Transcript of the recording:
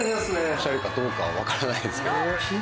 おしゃれかどうかは分からないんですけど。